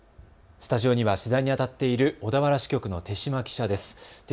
スタジオには取材にあたっている小田原支局の豊嶋記者です。